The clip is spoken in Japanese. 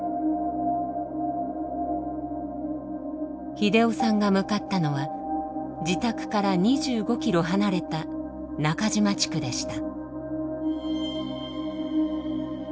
秀雄さんが向かったのは自宅から２５ｋｍ離れた中島地区でした。